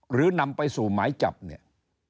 หรือนำไปสู่หมายจับเนี่ย